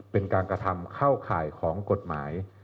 เป็นการกระทำเข้าข่ายของกฎหมาย